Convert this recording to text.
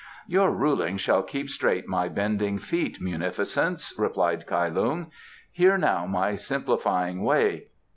"Your ruling shall keep straight my bending feet, munificence," replied Kai Lung. "Hear now my simplifying way.